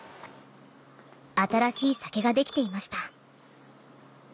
新しい酒が出来ていました